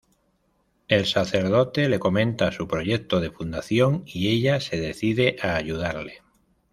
El sacerdote le comenta su proyecto de fundación y ella se decide a ayudarle.